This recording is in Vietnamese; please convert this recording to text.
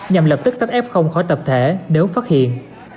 nhằm lập tức tách f khỏi tập thể nếu phát hiện